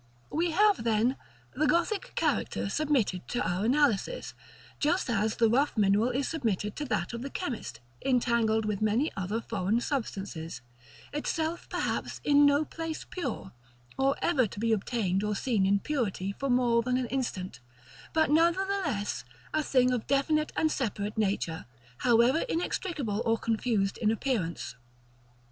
§ IV. We have, then, the Gothic character submitted to our analysis, just as the rough mineral is submitted to that of the chemist, entangled with many other foreign substances, itself perhaps in no place pure, or ever to be obtained or seen in purity for more than an instant; but nevertheless a thing of definite and separate nature, however inextricable or confused in appearance.